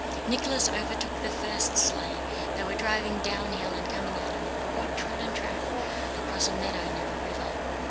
Nicholas overtook the first sleigh. They were driving downhill and coming out upon a broad trodden track across a meadow, near a river.